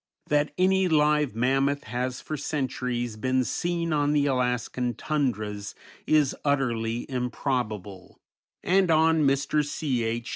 That any live mammoth has for centuries been seen on the Alaskan tundras is utterly improbable, and on Mr. C. H.